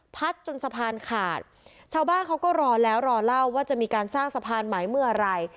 จนสะพานขาดชาวบ้านเขาก็รอแล้วรอเล่าว่าจะมีการสร้างสะพานใหม่เมื่อไหร่